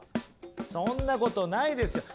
そんなことないです。